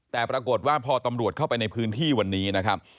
แต่ปรากฏว่าพอตำรวจเข้าไปในพื้นที่วันนี้นะครับ